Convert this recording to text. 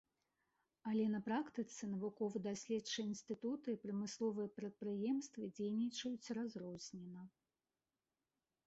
Але на практыцы навукова-даследчыя інстытуты і прамысловыя прадпрыемствы дзейнічаюць разрознена.